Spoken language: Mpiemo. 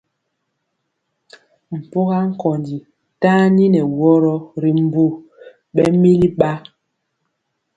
Mpɔga nkondi taniŋeworo ri mbu ɓɛmili ba.